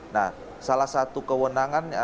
nah salah satu kewenangan